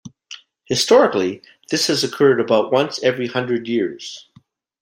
Historically this has occurred about once every hundred years.